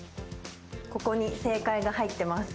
ここに正解が入ってます。